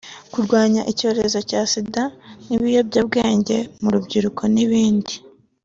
kurwanya icyorezo cya Sida n’ibiyobyabwenge mu rubyiruko n’ibindi